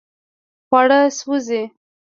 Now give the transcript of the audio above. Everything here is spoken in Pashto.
خواړه سوځي